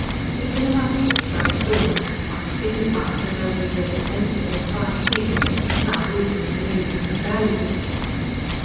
It was another place like Stornham, once dignified and nobly representative of fine things, now losing their meanings and values.